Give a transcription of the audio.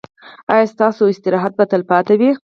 ایا ستاسو استراحت به تلپاتې وي؟